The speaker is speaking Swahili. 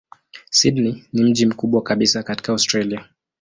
Sydney ni mji mkubwa kabisa katika Australia.